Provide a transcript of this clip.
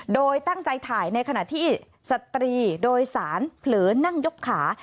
โดยตั้งใจถ่ายในขณะที่สตรีโดยสารเผลอนั่งยกขา